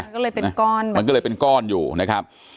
ก็เลยเป็นก้อนมันก็เลยเป็นก้อนอยู่นะครับ